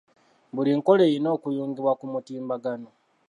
Buli nkola erina okuyungibwa ku mutimbagano.